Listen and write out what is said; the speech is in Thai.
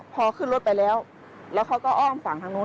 พอขึ้นรถไปแล้วแล้วเขาก็อ้อมฝั่งทางนู้น